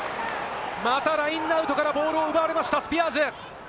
またラインアウトからボールを奪われました、スピアーズ。